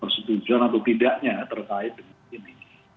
persetujuan atau tidaknya terkait dengan ini